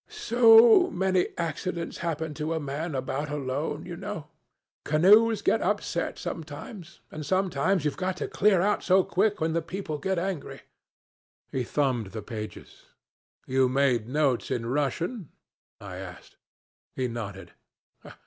'So many accidents happen to a man going about alone, you know. Canoes get upset sometimes and sometimes you've got to clear out so quick when the people get angry.' He thumbed the pages. 'You made notes in Russian?' I asked. He nodded.